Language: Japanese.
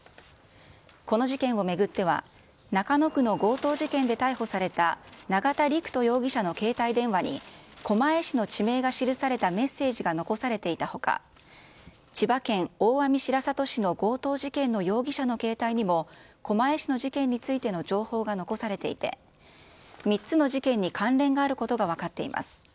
この事件を巡っては、中野区の強盗事件で逮捕された永田陸人容疑者の携帯電話に、狛江市の地名が記されたメッセージが残されていたほか、千葉県大網白里市の強盗事件の容疑者の携帯にも狛江市の事件についての情報が残されていて、３つの事件に関連があることが分かっています。